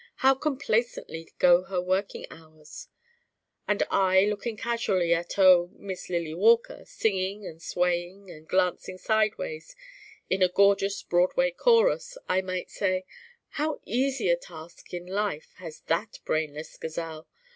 How complacently go her working hours.' And I looking casually at oh Miss Lily Walker singing and swaying and glancing sideways in a gorgeous Broadway chorus I might say, 'How easy a task in life has that brainless gazelle.